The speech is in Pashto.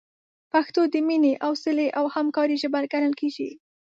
پښتو د مینې، حوصلې، او همکارۍ ژبه ګڼل کېږي.